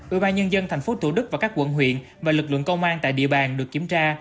ủy ban nhân dân tp thủ đức và các quận huyện và lực lượng công an tại địa bàn được kiểm tra